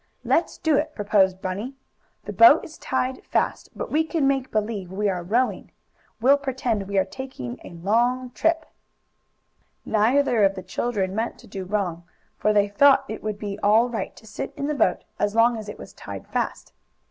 "Let's do it!" proposed Bunny. "The boat is tied fast, but we can make believe we are rowing. We'll pretend we are taking a long trip." Neither of the children meant to do wrong, for they thought it would be all right to sit in the boat as long as it was tied fast.